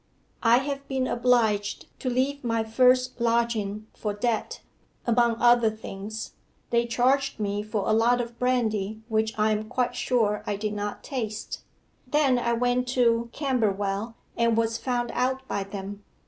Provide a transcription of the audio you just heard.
I have been obliged to leave my first lodging for debt among other things, they charged me for a lot of brandy which I am quite sure I did not taste. Then I went to Camberwell and was found out by them.